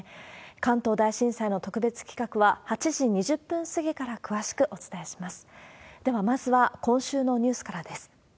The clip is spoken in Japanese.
関東大震災の特別企画は、８時２０分過ぎから詳しくお伝えします。